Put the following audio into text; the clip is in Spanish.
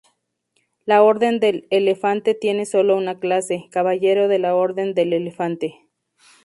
La orden del Elefante tiene sólo una clase: caballero de la Orden del Elefante.